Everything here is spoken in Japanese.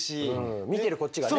見てるこっちがね。